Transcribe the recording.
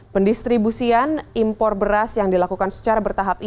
pendistribusian impor beras yang dilakukan secara bertahap ini